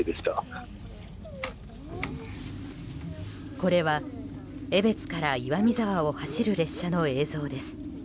これは江別から岩見沢を走る列車の映像です。